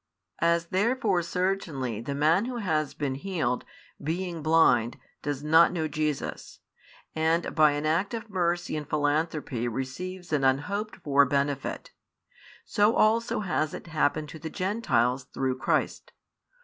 As therefore certainly the man who has |19 been healed, being blind, does not know Jesus, and by an act of mercy and philanthropy receives an unhoped for benefit; so also has it happened to the Gentiles through Christ.